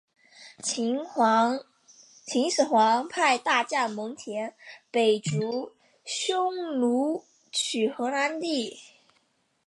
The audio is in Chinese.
秦始皇派大将蒙恬北逐匈奴取河南地。